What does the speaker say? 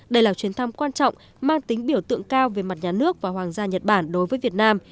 đây là chuyến thăm quan trọng mang tính biểu tượng cao về mặt nhà nước và hoàng gia nhật bản đối với việt nam